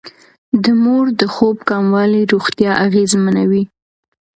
د مور د خوب کموالی روغتيا اغېزمنوي.